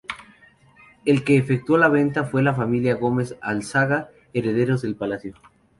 El que efectuó la venta fue la familia Gomez Álzaga, herederos del palacio.